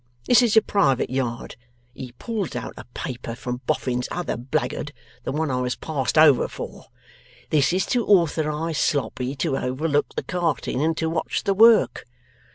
This is a private yard," he pulls out a paper from Boffin's other blackguard, the one I was passed over for. "This is to authorize Sloppy to overlook the carting and to watch the work."